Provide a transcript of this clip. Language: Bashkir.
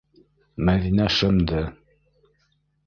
- Мәҙинә шымды.